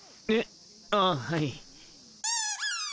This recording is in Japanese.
えあはい。